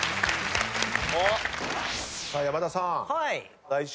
さあ山田さん。